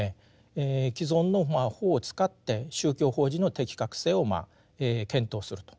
既存の法を使って宗教法人の適格性を検討すると。